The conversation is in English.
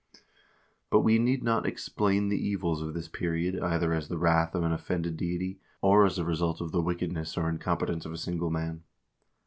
2 But we need not explain the evils of this period either as the wrath of an offended deity, or as the result of the wickedness or in competence of a single man.